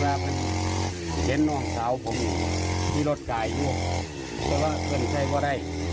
ว่าเพื่อนน้องสาวผมอยู่ที่รถกายอยู่เพราะว่าเบื่ออนไทยก็ได้